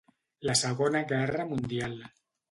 La Segona Guerra Mundial.